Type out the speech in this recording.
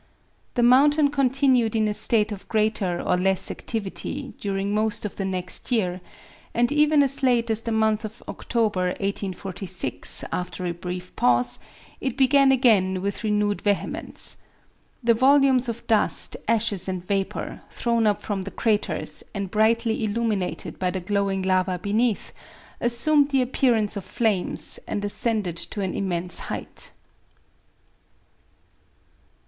The mountain continued in a state of greater or less activity during most of the next year; and even as late as the month of October, 1846, after a brief pause, it began again with renewed vehemence. The volumes of dust, ashes and vapor, thrown up from the craters, and brightly illuminated by the glowing lava beneath, assumed the appearance of flames, and ascended to an immense height.